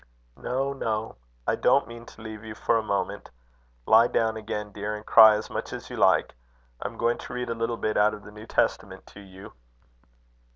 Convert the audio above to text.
"No, no, I didn't mean to leave you for a moment. Lie down again, dear, and cry as much as you like. I am going to read a little bit out of the New Testament to you."